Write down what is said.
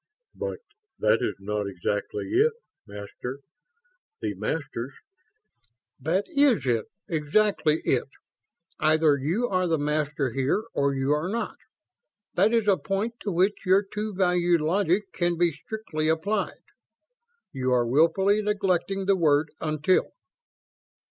"But that is not exactly it, Master. The Masters ..." "That is it. Exactly it. Either you are the Master here or you are not. That is a point to which your two value logic can be strictly applied. You are wilfully neglecting the word 'until'.